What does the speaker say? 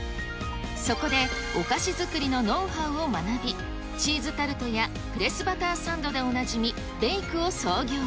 そこでお菓子作りのノウハウを学び、チーズタルトやプレスバターサンドでおなじみ、ベイクを創業。